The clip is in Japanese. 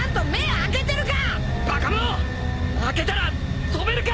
開けたら飛べるか！